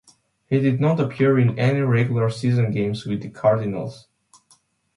He did not appear in any regular season games with the Cardinals.